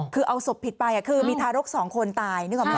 คือเอาศพผิดไปคือมีทารก๒คนตาย